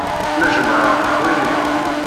La jemmɛeɣ leḥwal-inu.